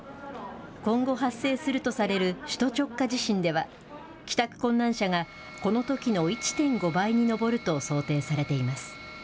今後、発生するとされる首都直下地震では、帰宅困難者がこのときの１．５倍に上ると想定されています。